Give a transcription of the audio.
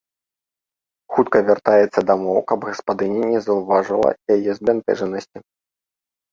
Хутка вяртаецца дамоў, каб гаспадыня не заўважыла яе збянтэжанасці.